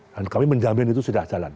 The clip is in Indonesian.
dan kami menjamin itu sudah jalan